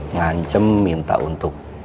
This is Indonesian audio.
ngancem minta untuk